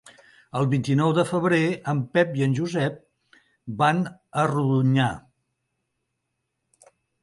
El vint-i-nou de febrer en Pep i en Josep van a Rodonyà.